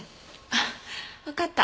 あっわかった。